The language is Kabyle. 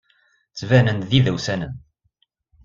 Ttbanen-d d idawsanen.